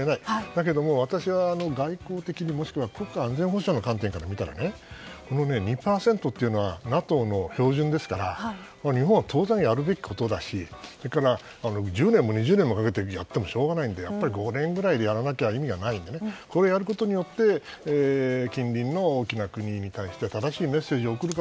だけども私は外交的にもしくは国家安全保障の観点から見たら、２％というのはＮＡＴＯの標準ですから日本は当然やるべきだしそれから１０年も２０年もかけてやってもしょうがないので５年くらいでやらなきゃ意味がないのでやることによって近隣の大きな国に対して正しいメッセージを送る。